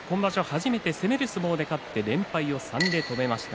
初めて攻める相撲で勝って連敗を３で止めました。